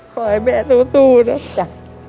ขอให้แม่ดูนะ